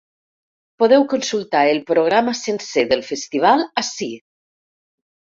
Podeu consultar el programa sencer del festival ací.